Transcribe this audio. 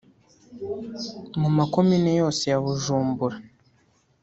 mu makomine yose ya Bujumbura